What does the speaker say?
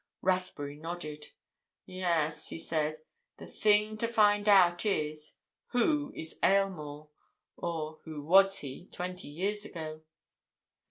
Rathbury nodded. "Yes," he said. "The thing to find out is—who is Aylmore, or who was he, twenty years ago?"